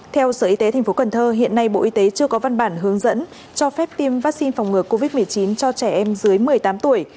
theo sở y tế tp cần thơ hiện nay bộ y tế chưa có văn bản hướng dẫn cho phép tiêm vaccine phòng ngừa covid một mươi chín cho trẻ em dưới một mươi tám tuổi